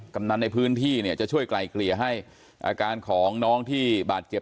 กำนันในพื้นที่เนี่ยจะช่วยไกลเกลี่ยให้อาการของน้องที่บาดเจ็บ